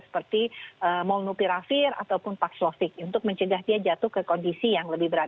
seperti molnupiravir ataupun paksofik untuk mencegah dia jatuh ke kondisi yang lebih berat